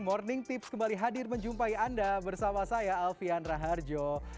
morning tips kembali hadir menjumpai anda bersama saya alfian raharjo